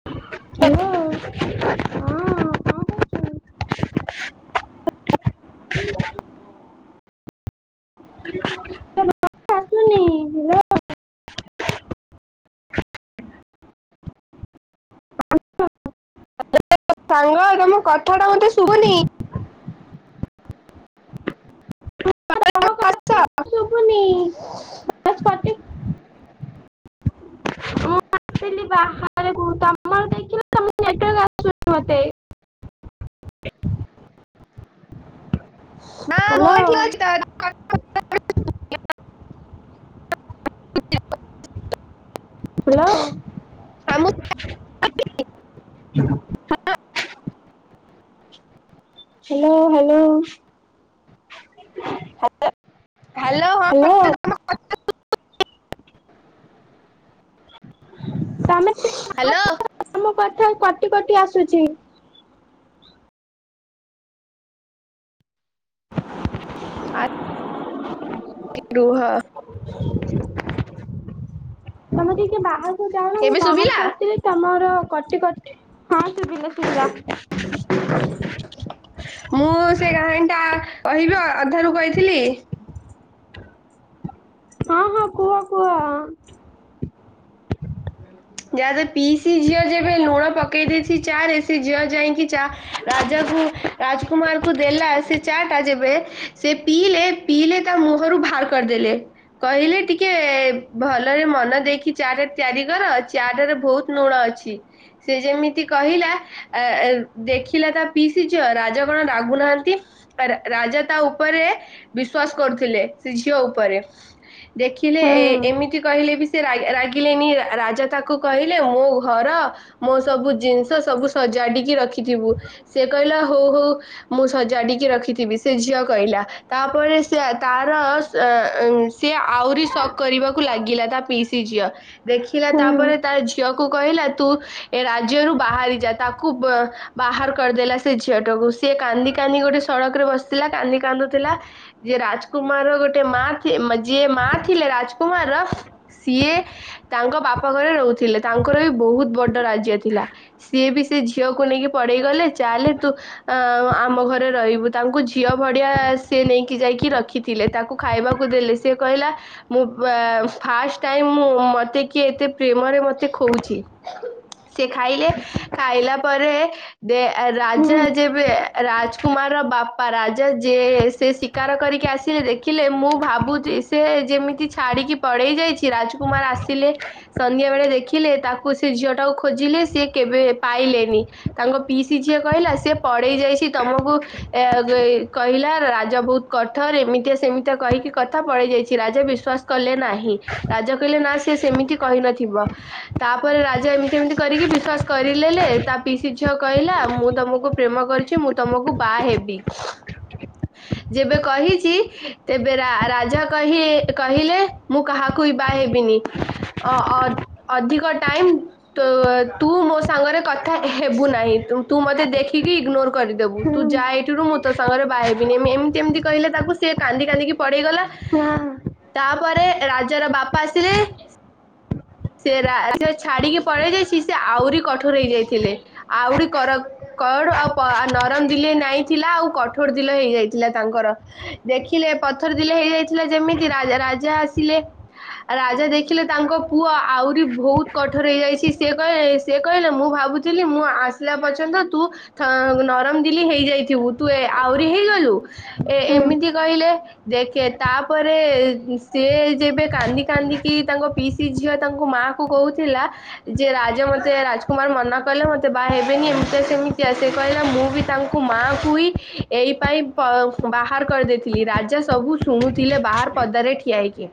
ହୁଁ [inaudible] ମୁନି ହିରୋ ସାଙ୍ଗ ତମ କଥାଟା ମତେ ଶୁବୁନି। ତମ କଥା ଶୁଭୁନି କଣ ବାସ୍ କଟି କରୁଚ? ମୁଁ [unintelligible] [inaudible] ନା ହ୍ୟାଲୋ ବଇଥିଲୁ ଆଜି କାର୍ ହାଲୋ। ହ [inaudible] ହାଲୋ ହାଲୋ। ହାଲୋ। କୁହ। ହାଲୋ। ତମକଥା କଟି କଟି ଆସୁଚି। ଆ ରୁହ। [inaudible] ତମେ ଟିକେ ବାହାରକୁ ଯାଉନ ମୁଁ ଏବେ ଶୁଭିଲା ବାହାରକୁ ଆସିଲି ତମର କଟିକଟି ହଁ ସୁବିଲା ସୁବିିଲା। [inaudible] ମୁଁ ସେ କାହାଣୀ ଟା କହିବି ଅଧାରୁ କହିଥିଲି। ହଁ ହଁ କୁହ କୁହ। ଯାହା ବି ପିଇସି ଝିଅ ଯେବେ ଲୁଣ ପକେଇ ଦେଇଚି ଚା ରେ ସେ ଝିଅ ଜାଇଁକି ଚା ରାଜାକୁ ରାଜକୁମାର କୁ ଦେଲା ସେ ଚା ଟା ଯେବେ ସେ ପିଇଲେ ପିଇଲେ ତା ମୁହଁରୁ ଭାଳ୍ କରିଦେଲେ କହିଲେ ଟିକେ ଭଲରେ ମନ ଦେଇକି ଚା ରେ ତିଆରି କର ଚା ଟାରେ ବହୁତ୍ ଲୁଣ ଅଛି ସିଏ ଯେମିତି କହିଲା। ଏ ଏ ଦେଖିଲା ତା ପିଇସି ଝିଅ ରାଜା କଣ ରାଗୁନାହାନ୍ତି। ରା ରାଜା ତା ଉପରେ ବିଶ୍ଵାସ କରୁଥିଲେ ସେ ଝିଅ ଉପରେ। ଦେଖିଲେ ହଁ। ଏ ଏମିତି କହିଲେ ବି ସେ ରା ରାଗ୍ ରାଗିଲେନି ରାଜା ତାକୁ କହିଲେ ମୋ ଘର ମୋ ସବୁ ଜିନିଷ ସବୁ ସଜାଡିକି ରଖିଥିବୁ ସେ କହିଲା ହଉ ହଉ। ମୁଁ ସଜାଡିକି ରଖିଥିବି ସେ ଝିଅ କହିଲା। ତାପରେ ସେ ତାର ସିଏ ଆହୁରି ଶକ୍ କରିବାକୁ ଲାଗିଲା ତା ପିଇସି ଝିଅ। ଦେଖିଲା ହଁ ତାପରେ ତା ଝିଅକୁ କହିଲା ତୁ ଏ ରାଜ୍ୟରୁ ବାହାରି ଯା ତାକୁ ବ ବାହାର କରିଦେଲା ସେ ଝିଅ ଟାକୁ ସିଏ କାନ୍ଦି କାନ୍ଦି ଗୋଟେ ସଡକ ରେ ବସିଥିଲା କାନ୍ଦି କାନ୍ଦୁଥିଲା। ଯିଏ ରାଜକୁମାର ଗୋଟେ ମା ଯିଏ ମା ଥିଲେ ରାଜକୁମାର ର ସିଏ ତାଙ୍କ ବାପ ଘରେ ରହୁଥିଲେ ତାଙ୍କର ବି ବହୁତ୍ ବଡ ରାଜ୍ୟ ଥିଲା। ସିଏ ବି ସେ ଝିଅକୁ ନେଇକି ପଢେଇ ଗଲେ ଚାଲେ ତୁ ଆ ଆମ ଘରେ ରହିବୁ ତାଙ୍କୁ ଝିଅ ଭଡିଆ ସିଏ ନେଇକି ଯାଇଁକି ରଖି ଥିଲେ। ତାକୁ ଖାଇବାକୁ ଦେଲେ ସିଏ କହିଲା ମୁଁ ପା ଫାଷ୍ଟ ଟାଇମ ମୁଁ ମତ୍ ମତେ କିଏ ଏତେ ପ୍ରେମରେ ମତେ ଖୋଉଚି। ସିଏ ଖାଇଲେ। ଖାଇଲା ପରେ ଦେ ହଁ ରାଜା ଯେବେ ରାଜକୁମାରର ବାପ୍ ବାପା ରାଜା ଯିଏ ସେ ଶିକାର କରିକି ଆସିଲେ ଦେଖି ଦେଖିଲେ ମୁଁ ଭାବୁଚି ସେ ଯେମିତି ଛାଡ଼ିକି ପଳେଇ ଯାଇଚି ରାଜକୁମାର ଆସିକି ଆସିଲେ ସନ୍ଧ୍ୟା ବେଳେ ଦେଖିଲେ ତାକୁ ସେ ଝିଅ ଟାକୁ ଖୋଜିଲେ ସିଏ କେବେ ପାଇଲେନି। ତାଙ୍କ ପିଇସି ଝିଅ କହିଲା ସିଏ ପଡେଇ ଯାଇଚି ତମକୁ ଏ କହିଲା ରାଜା ବହୁତ୍ କଠୋର ଏମିତିଆ ସେମିତିଆ କହିକି କଥା ପଳେଇ ଯାଇଚି ରାଜା ବିଶ୍ବାସ୍ କଲେ ନାହିଁ। ରାଜା କହିଲେ ନା ସେ ସେମିତି କହିନଥିବ। ତାପରେ ରାଜା ଏମିତି ଏମତି କରିକି ବିଶ୍ଵାସ କରିରେଲେ ତା ପିଇସି ଝିଅ କଇଲା ମୁଁ ତମକୁ ପ୍ରେମ କରିଛି ମୁଁ ତମକୁ ବାହା ହେବି। ଯେବେ କହିଛି ତେବେ ରା -ରାଜା କହିଲେ ମୁଁ କାହାକୁ ବି ବାହା ହେବିନି। ଅ - ଅ -ଅଧିକ ଟାଇମ୍। ତ ତୁ ମୋ ସାଙ୍ଗରେ କଥା ହେବୁ ନାହିଁ ତୁ ମତେ ଦେଖିକି ଇଗନୋର କରିଦବୁ ତୁ ହଁ ଯାଏ ଠ ସେଠୁ ମୁଁ ତୋ ସାଙ୍ଗରେ ବାହା ହେବିନି ଏମ୍ - ଏମିତି ଏମିତି କହିଲେ ତାକୁ ସେ କାନ୍ଦି କାନ୍ଦିକି ପଳେଇଗଲା। ହଁ ତାପରେ ରାଜାର ବାପା ଆସିଲେ ସେ ରା- ରାଜ୍ୟ ଛାଡିକି ପଳେଇ ଯାଇଛି ସେ ଆହୁରି କଠୋର ହେଇଯାଇଥିଲେ ଆହୁରି କର କଣ ଆଉ ପ ଆ ନରମ ଦିଲେ ନାଇଁ ଥିଲା ଆଉ କଠୋର ଥିଲେ ହେଇଯାଇଥିଲା ତାଙ୍କର। ଦେଖିଲେ ପଥର ଥିଲେ ହେଇଯାଇଥିଲା ଯେମିତି ରା-ରାଜା ଆସିଲେ ଆଉ ରାଜା ଦେଖିଲେ ତାଙ୍କ ପୁ ପୁଅ ଆହୁରି ବହୁତ କଠୋର ହେଇଯାଇଛି ସେ କହିଲେ ସେ କହିଲେ ମୁଁ ଭାବୁଥିଲି ମୁଁ ଆ ଆସିଲା ପର୍ଯ୍ୟନ୍ତ ତୁ ନରମ ଦିଲି ହେଇଯାଇଥିବୁ ତୁ ଆହୁରି ହେଇଗଲୁ। ଏ- ହଁ। ଏମିତି କହିଲେ। ଦେଖେ ତାପରେ ସିଏ ଯେବେ କାନ୍ଦି କାନ୍ଦିକି ତାଙ୍କ ପି ସ୍ ଝିଅ ତାଙ୍କୁ ମାଆ କୁ କହୁଥିଲା [unintelligible] ଯେ ରାଜା ମତେ ରାଜକୁମାର ମନା କଲେ ମତେ ବାହା ହେବେନି ଏମିତିଆ ସେମିତିଆ ସେ କହିଲେ ନା ମୁଁ ବି ତାଙ୍କୁ ମାକୁୁ ଇଁ ଏଇ ପାଇଁ ପ ବାହାର କରିଦେଇଥିଲି ରାଜା ସବୁ ଶୁଣୁଥିଲେ ବାହାର ପଦାରେ ଠିଆହେଇକି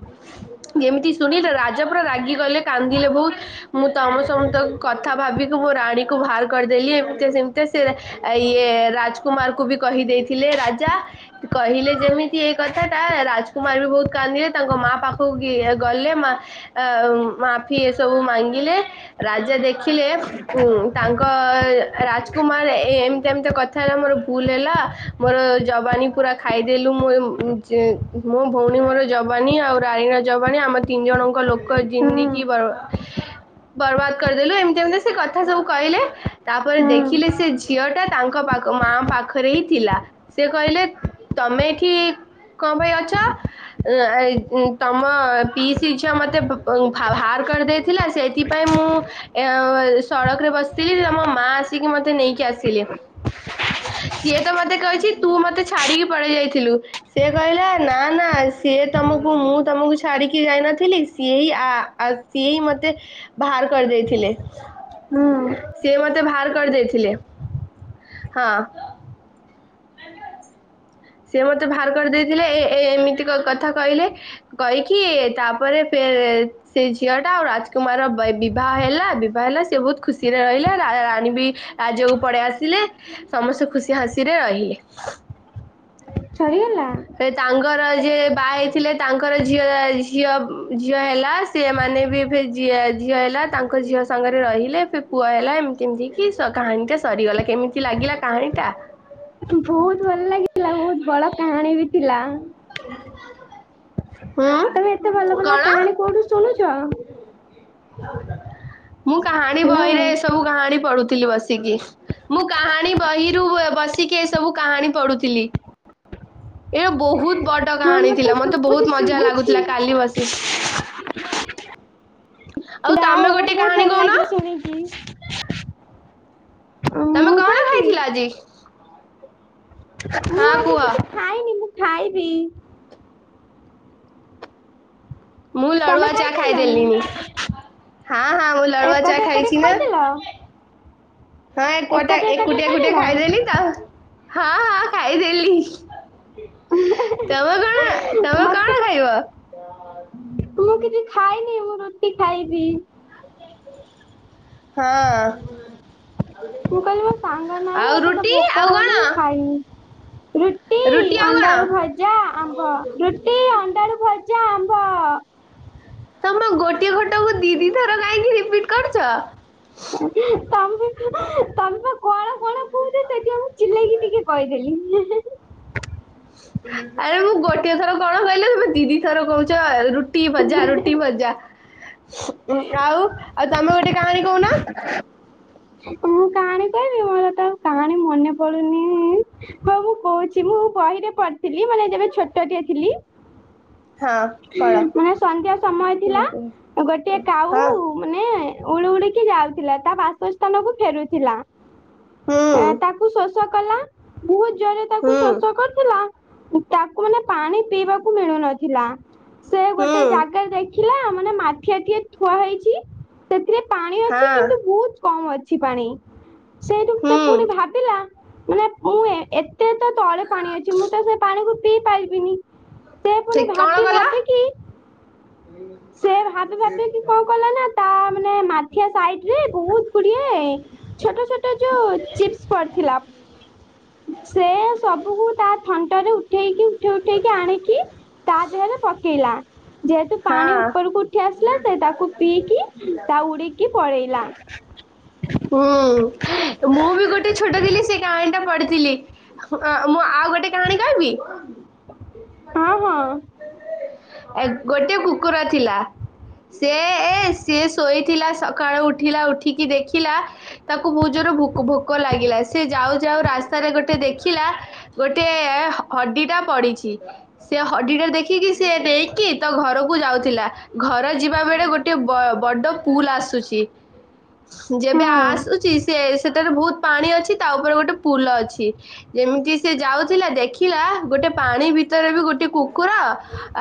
ଯେମିତି ଶୁଣିଲେ ରାଜ ପୁରା ରାଗି ଗଲେ କାନ୍ଦିଲେ ବହୁତ୍। ମୁଁ ତମ ସମତଙ୍କ କଥା ଭାବିକି ମୁଁ ରାଣୀକୁୁ ବାହାର କରିଦେଲି ଏମିତିଆ ସେମିତିଆ ସେ ରା ଆ ଇଏ ରାଜକୁମାର କୁ ବି କହିଦେଇଥିଲେ ରାଜା କହିଲେ ଯେମିତି ଏଇ କଥା ଟା ରାଜକୁମାର ବି ବହୁତ କାନ୍ଦିଲେ ତାଙ୍କ ମା ପାଖକୁ [unintelligible] ଇଏ ଗଲେ ମା - ମାଫି ଏ ସବୁ ମଙ୍ଗିଲେ ରାଜା ଦେଖିଲେ। ଉଁ ତାଙ୍କ ରାଜକୁମାର ଏ ଏମତି ଏମିତି କଥା ହେଲା ମୋର ଭୁଲ୍ ହେଲା ମୋର ଯବାନୀ ପୁରା ଖାଇଦେଲୁ ମୋ ଯେ [unintelligible] ମୋ ଭଉଣୀ ମୋର ଯବାନୀ ଆଉ ରାଇନା ଜବାନି ଆମ ତିନି ଜଣଙ୍କ ଲୋକ ହଁ ଜିନ୍ଦିକିି ବର୍ ବର୍ବାଦ କରିଦେଲୁ ଏମିତି ଏମିତି ସେ କଥା ସବୁ କହିଲେ। ତାପରେ ହଁ ଦେଖିଲେ ସେ ଝିଅ ଟା ତାଙ୍କ ପାଖ ମା ପାଖରେ ହିଁ ଥିଲା ସେ କହିଲେ ତମେ ଏଠି କଣ ପାଇଁ ଅଛ? ଆଁ ତମ ପିସି ଝିଅ ମତେ ପ [unintelligible] [unintelligible] ବାହାର କରିଦେଇଥିଲା ସେଥିପାଇଁ ମୁଁ [unintelligible] ସଡ଼କରେ ବସି ବସିଲି ତମ ମା ଆସିକି ମତେ ନେଇକି ଆସିଲେ। ସିଏ ତ ମତେ କହିଛି ତୁ ମତେ ଛାଡିକି ପଳେଇ ଯାଇଥିଲୁ। ସିଏ କହିଲା ନା ନା ସିଏ ତମକୁ ମୁଁ ତମକୁ ଛାଡିକି ଯାଇନଥିଲି ସେଇ ଆ ସିଏ ହିଁ ମତେ ବାହାର କରିଦେଇଥିଲେ ହଁ ସିଏ ମ ମତେ ବାହାର କରିଦେଇଥିଲେ ହଁ। ସେ ମତେ ବାହାର କରିଦେଇଥିଲେ ଏ -ଏ -ଏମିତି କଥା କହିଲେ। କହିକି ଏ ତାପରେ ଫେ ସେ ଝିଅ ଟା ଆଉ ରାଜକୁମାର ବ ବିବାହ ହେଲା ବିବାହ ହେଲା ସେ ବହୁତ ଖୁସିରେ ରହିଲା ରା- ରାଣୀ ବି ରାଜ୍ୟକୁ ପଳେଇ ଆସିଲେ ସମସ୍ତେ ଖୁସି ହସିରେ ରହିଲେ। ଛାଡିଗଲା। ସେ ତାଙ୍କର ଯେ ବାହା ହେଇଥିଲେ ତାଙ୍କର ଝିଅ ଝିଅ ଝିଅ ହେଲା [unintelligible] ସେମାନେ ବି ଫିର୍ ଝିଅ ହେଲା ତାଙ୍କ ଝିଅ ସାଙ୍ଗରେ ରହିଲେ ସେ ପୁଅହେଲା ଏମ କେମିତି କି କାହାଣୀଟା ସରିଗଲା କେମିତି ଲାଗିଲା କାହାଣୀଟା? [unintelligible] ବହୁତ ଭଲ ଲାଗିଥିଲା ବହୁତ ବଡ କାହାଣୀ ବି ଥିଲା। [inaudible] ତମେ ଏତେ ଭଲ ଭଲ କଣ? କାହାଣୀ କୋଉଠୁ ଶୁଣୁଛ? ମୁଁ କାହାଣୀ ହ୍ୟାଲୋ ବହିରେଏ ସବୁ କାହାଣୀ ପଢୁଥିଲି ବସିକି। ମୁଁ କାହାଣୀ ବହିରୁ ଏ ବସିକି ଏ ସବୁ କାହାଣୀ ପଢୁଥିଲି। ଏ ବହୁତ ବଡ ହଁ କାହାଣୀ ଥିଲା ମତେ ଶୁଭୁଛି ବହୁତ ମଜା ଶୁଭୁଛି ଲାଗୁଥିଲା କାଲି ବସି ଆଉ ଯାହା ତମେ ହଉ ମତେ ଗୋଟେ ବହୁତ କାହାଣୀ ଭଲ କହୁନ ଲାଗିଲା ଶୁଣିକି। ତମେ ମୁଁ କଣ କହିବି ଖାଇଥିଲ ଆଜି? ମୁଁ ହଁ ଆଜି କୁହ। କିଛି ଖାଇନି ମୁଁ ଖାଇବି। ମୁଁ ଲଡୁଆ ତମେ ଚା ଖାଇସାରିଲଣି ଖାଇଦେଲିଣି ହଁ ହଁ ମୁଁ ଲଡୁଆ ଚା ଏକାଠି ଏକାଠି ଖାଇଛି ନା। ଖାଇଦେଲ ହଁ ଏ କଆଟା ଏକାଠି ଏକାଠି ଏକୁଟିଆ ଏକୁଟିଆ ଖାଇଦେଲ ଖାଇଦେଲିି ତ ହଁ ହଁ ଖାଇଦେଲି। ତମ କଣ ତମେ ମତେ କଣ ଖାଇବ? ମୁଁ କିଛି ଖାଇନି ମୁଁ ରୁଟି ଖାଇବି। ହଁ ମୁଁ କହିଲି ମୋ ସାଙ୍ଗ ନାହିଁ ଆଉ ମତେ ତ ରୁଟି ଭୋକ ଆଉ ହଉନି କଣ? ମୁଁ ଖାଇନି। ରୁଟି ଆଉ କଣ ଅଣ୍ଡାଳୁ ଭଜା ଆମ୍ବ ରୁଟି ଅଣ୍ଡାଳୁ ଭ ଜା ଆମ୍ବ। ତମେ ଗୋଟିଏ ଖଟକୁ ଦି ଦିଥର କାହିଁକି ରିପିଟ କରୁଛ। ତମ ବି ତମ ପା କଣ [inaudible] ଦେଲି [unintelligible] ଆରେ ମୁଁ ଗୋଟିଏ ଥର କଣ କହିଲେ ତମେ ଦିଦି ଥର କହୁଛ ରୁଟି ଭଜା ରୁଟି ଭଜା। ଆଉ ଆଉ ତମେ ଗୋଟେ କାହାଣୀ କହୁନ। ମୁ କାହାଣୀ କହିବି ମୋର ତ କାହାଣୀ ମନେ ପଡୁନି। ହ ମୁଁ କହୁଛି ମୁଁ ବହିରେ ପଢଥିଲି ମାନେ ଯେବେ ଛୋଟଟିଏ ଥିଲି। ହଁ ପଳ ମାନେ ସନ୍ଧ୍ୟା ସମୟ କୁହ ଥିଲା କୁହ ଗୋଟିଏ କୁହ। କାଉ ହଁ ମାନେ ଉଳୁ ଉଳିକି ଯାଉଥିଲା ତା ବାସସ୍ଥାନକୁ ଫେରୁଥିଲା। ହୁଁ ଏ ତାକୁ ଶୋଷ କଲା ବହୁତ ଜୋରରେ ତାକୁ ହୁଁ ଶୋଷ କରୁଥିଲା। ତାକୁ ମାନେ ପାଣି ପିଇବାକୁ ମିଳୁନଥିଲା। ସେ ହୁଁ ଗୋଟେ ଜାଗାରେ ଦେଖିଲା ମାନେ ମାଠିଆ ଟିଏ ଥୁଆ ହେଇଛି। ସେଥିରେ ପାଣି ଅଛି ହଁ କିନ୍ତୁ ବହୁତ କମ ଅ ଅଛି ପାଣି ସେଇଠୁ ସେ ହୁଁ ପୁଣି ଭାବିଲା ମାନେ ମୁଁ ଏ ଏ ତେ ତ ତଳେ ପାଣି ଅଛି ମୁଁ ତ ସେ ପାଣିକୁ ପିଇ ପାରିବିନି। ପୁଣି [unintelligible] ସେ ଭାବି ଭାବିକି ସେ ଭାବି ଭାବି କି କଣ କଲା ନା। ତା ମାନେ ମାଠିଆ ସାଇଡି ରେ ବହୁତ ଗୁଡିଏ ଛୋଟ ଛୋଟ ଯୋଉ ଚିପ୍ସ ପଡିଥିଲା। ସେ ସବୁକୁ ତା ଥଣ୍ଟରେ ଉଠେଇକି ଉଠେଇ ଉଠେଇକି ଆଣିକି ହେଲେ ପକେଇଲା ଯେହେତୁ ହଁ ପାଣି ଉପରକୁ ଉଠି ଆସିଲା ସେ ତାକୁ ପିଇକି ତା ଉଡିକି ପଳେଇଲା। ହୁଁ ମୁଁ ବି ଗୋଟେ ଛୋଟ ଥିଲି, ସେ କାହାଣୀ ଟା ପଢିଥିଲି ମୁଁ ଆଉ ଗୋଟେ କାହାଣୀ ହଁ ହଁ। ଏ ଗୋଟେ କୁକୁର ଥିଲା। ସେ ଏ ସିଏ ଶୋଇଥିଲା ସକାଳୁ ଉଠିଲା ଉଠିକି ଦେଖ ଦେଖିଲା ତାକୁ ବହୁତ ଜୋରରେ ଭୋକ, ଭୋକ ଲାଗିଲା। ସେ ଯାଉ ଯାଉ ରାସ୍ତାରେ ଗୋଟେ ଦେଖିଲା କି ଗୋଟେ ହଡି ଟା ପଡିଛି। ସେ ହଡିଟା ଦେଖିକି ସିଏ ନେଇକି ତା ଘରକୁ ଯାଉଥିଲା। ଘର ଯିବା ବେଳେ ଗୋଟେ ବ ବଡ ପୁଲ ଆସୁଛି। ଯେବେ ହଁ ଆସୁଛି, ସେ ସେଠାରେ ବହୁତ ପାଣି ଅଛି। ତା ଉପରେ ଗୋଟେ ପୁଲ ଅଛି। ଯେମିତି ସେ ଯାଉଥିଲା ଦେଖିଲା ଗୋଟେ ପାଣି ଭିତରେ ବି ଗୋଟେ କୁକୁର।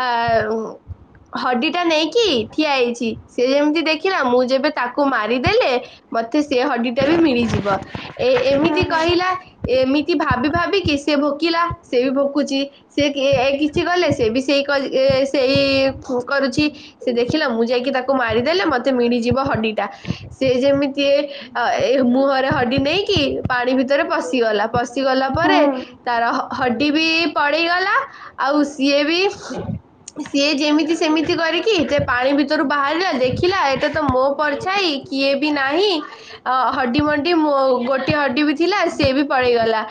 ଆଁ ହଡି ଟା ନେଇକି ଠିଆ ହେଇଛି। ସେ ଯେମିତି ଦେଖିଲା ମୁଁ ଯେବେ ତାକୁ ମାରିଦେଲେ ମତେ ସେ ହଡି ଟା ବି ମିଳିଯିବ। ଏ ଏମିତି କହିଲା, ଏମିତି ଭାବି ଭାବି କି ସେ ଭୋକିଲା, ସେ ବି ଭୋକୁଚି। ସେ ଏ କିଛି କଲେ, ସେଇ ବି ସେଇ ସେଇ ଏ ସେଇ କରୁଛି। ସେ ଦେଖିଲା ମୁଁ ଯାଇକି ତାକୁ ମାରିଦେଲେ ମତେ ମିଳିଯିବ ହଡିଟା। ସିଏ ଯେମିତି ଏ ମୁହଁରେ ହଡି ନେଇକି ପାଣି ଭିତରେ ପଶିଗଲା। ପଶିଗଲା ହଁ ପରେ ତାର ହଡି ବି ପଡିଗଲା, ଆଉ ସିଏ ବି ସିଏ ଯେମିତି ସେମିତି କରିକି ସେ ପାଣି ଭିତରୁ ବାହାରିଲା, ଦେଖିଲା ଏଟେ ତ ମୋ ପରଛାଇ ଇଏ ବି ନାହିଁ। ଅ ହଡି ମଣ୍ଡି ମୋ ଗୋଟେ ହଡି ବି ଥିଲା, ସିଏ ବି ପଳେଇଗଲା।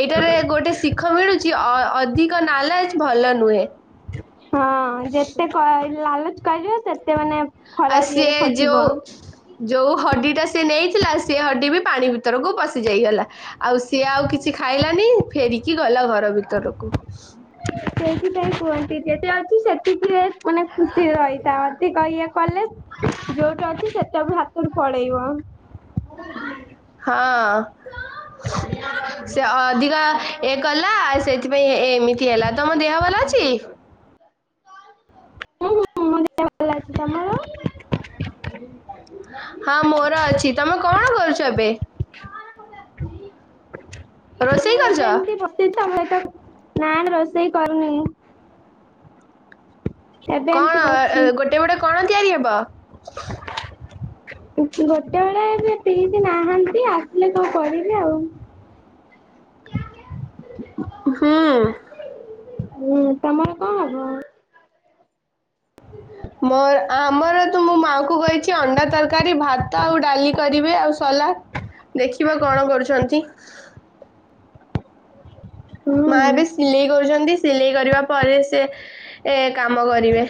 ଏଇଟାରେ ଗୋଟେ ଶିଖ ମିଳୁଛି ଅଧିକ ନାଲାଜ ଭଲ ନୁହେଁ। ହଁ ଯେତେ ଲାଲଚ କରିବ ସେତେ ମାନେ ଆଉ, ଖରାପ ଇଏରେ ସିଏ ଫସିବ। ଯଉ ଯୋଉ ହଡି ଟା ସେ ନେଇଥିଲା। ସେ ହଡି ବି ପାଣି ଭିତରକୁ ପଶି ଯାଇଗଲା। ଆଉ ସିଏ ଆଉ କିଛି ଖାଇଲାନି। ଫେରିକି ଗଲା ଘର ଭିତରକୁ। ସେଇଥିପାଇଁ କୁହନ୍ତି, ଯେତେ ଅଛି ସେତିକିରେ ମାନେ ଖୁସି ରହିଥାଅ। ଅଧିକ ଇଏ କଲେ ଯୋଉଠି ଅଛି ସେତକ ବି ହାତରୁ ପଳେଇବ। ହଁ। ସେ ଅଧିକା ଏ କଲା ଆ ସେଥିପାଇଁ ଏମିତି ହେଲା। ତମ ଦେହ ଭଲ ଅଛି? ହୁଁ ହୁଁ ମୋ ଦେହ ଭଲ ଅଛି। ତମର? [unintelligible] ହଁ ମୋର ଅଛି। ତମେ କଣ କରୁଛ ଏବେ? ରୋଷେଇ କରୁଛ? ସି [unintelligible] ନା, ନା ରୋଷେଇ କରୁନି। ଏବେ ଏମିତି କଣ ବସିଛି ଗୋଟେ, ଗୋଟେ କଣ ତିଆରି ହବ? ଗୋଟେ ବେଳେ ଏ ପିଶି ନାହାନ୍ତି ଆସିଲେ କଣ କରିବେ ଆଉ? ହୁଁ। ହୁଁ ତମର କଣ ହବ? ମୋର ଆମର ତୁ ମୋ ମାଆଙ୍କୁ କହିଛି ଅଣ୍ଡା ତରକାରୀ, ଭାତ ଆଉ ଡାଲି କରିବେ ଆଉ ସଲାଟ୍। ଦେଖିବା କଣ କରୁଛନ୍ତି। ମା ଏବେ ହୁଁ ସିଲେଇ କରୁଛନ୍ତି। ସିଲେଇ କରିବା ପରେ ସେ ଏ କାମ କରିବେ।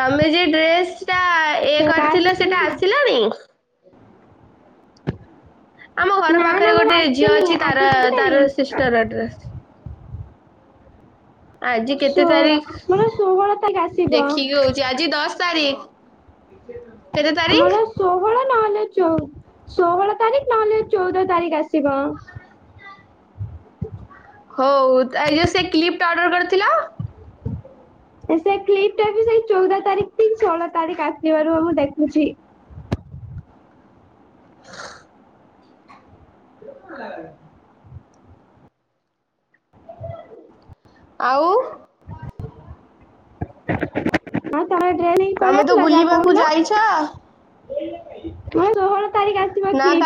ତମେ ଯି ଡ୍ରେସ୍ ସେଟା ଇଏ କାର୍ଡ କରିଥିଲ ବିଷୟରେ ସେଟା ଆସିଲାଣି? ଆମ ଘର ନା ନା ପାଖରେ ମୋର ଗୋଟେ ଝିଅ ଆସିନି ଅଛି ତାର ଆଜି କେତେ ତାର ତାରିଖ ସିଷ୍ଟର [unintelligible] ଆଜି କେତେ ଷୋହଳ ତାରିଖ? ମୋର ଷୋହଳ ତାରିଖ ଆସିବ ଦେଖିକି କହୁଛି? ଆଜି ଦଶ ତାରିଖ। କେତେ ତାରିଖ? ଆମର ଷୋହଳ ନହେଲେ ଚଉ ଷୋହଳ ତାରିଖ ନହେଲେ ଚଉଦ ତାରିଖ ଆସିବ। ହଉ ତା ଇଏ ସେ କ୍ଲିପ୍ ଟା ଅର୍ଡର କରିଥିଲା? ସେ କ୍ଲିପ୍ଟ ଟା ବି ସେଇ ଚଉଦ ତାରିଖ କି ଷୋହଳ ତାରିଖ ଆସିବ ରୁହ ମୁଁ ଦେଖୁଛି। [inaudible] ଆଉ ହଁ ତମେ ଡ୍ରେନିଂ ପଳେଇ ତମେ ତ ଆସିଲ ଯାହା ବୁଲିବାକୁ କହୁଥିଲ। ଯାଇଛ ଷୋହଳ ତାରିଖ ଆସିିବ କି? ନା